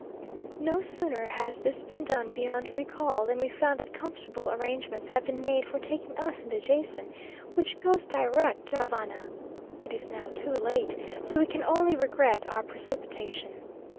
No sooner has this been done beyond recall, than we find that comfortable arrangements have been made for taking us in the Jason, which goes direct to Havana. It is now too late, so we can only regret our precipitation.